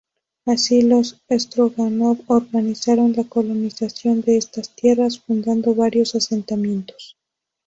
Así, los Stróganov organizaron la colonización de estas tierras, fundando varios asentamientos.